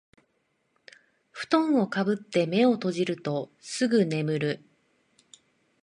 ふとんをかぶって目を閉じるとすぐ眠る